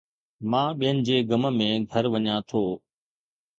مان ٻين جي غم ۾ گهر وڃان ٿو